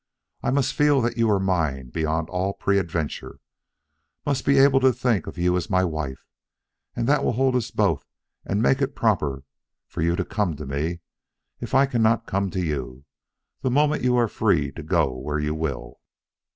I must feel that you are mine beyond all peradventure must be able to think of you as my wife, and that will hold us both and make it proper for you to come to me if I cannot come to you, the moment you are free to go where you will."